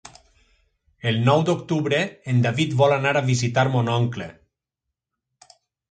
El nou d'octubre en David vol anar a visitar mon oncle.